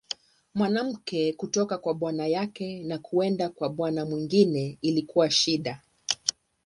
Mwanamke kutoka kwa bwana yake na kwenda kwa bwana mwingine ilikuwa shida.